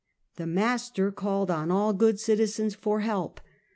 The master called on all good citi zens for help.